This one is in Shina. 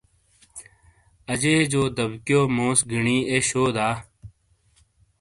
اجے (اماں) جو دیکیو موس گینی اے شو دا ؟